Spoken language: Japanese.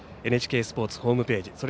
ＮＨＫスポーツホームページ